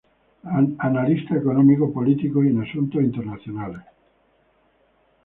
Analista Económico, Político y en Asuntos Internacionales.